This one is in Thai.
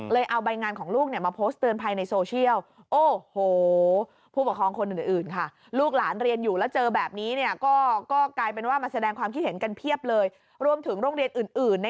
รวมถึงโรงเรียนอื่นในขอนแก่นด้วยนะ